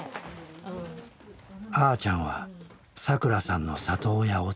あーちゃんはさくらさんの里親を続ける。